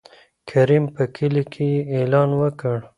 کريم په کلي کې يې اعلان وکړ.